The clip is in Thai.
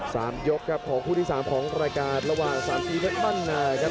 สามยกครับของคู่ที่๓ของระกาศระหว่างสามพีมัติมันนะครับ